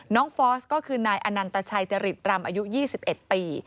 ฟอสก็คือนายอนันตชัยจริตรำอายุ๒๑ปี